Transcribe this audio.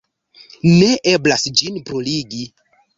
Ne eblas ĝin bruligi.